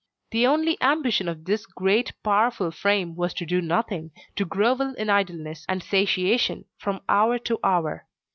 The only ambition of this great powerful frame was to do nothing, to grovel in idleness and satiation from hour to hour.